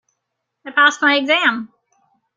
I passed my exam!